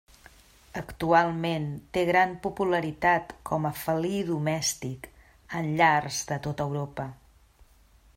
Actualment té gran popularitat com a felí domèstic en llars de tota Europa.